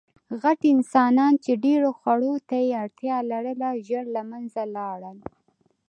غټ انسانان، چې ډېرو خوړو ته یې اړتیا لرله، ژر له منځه لاړل.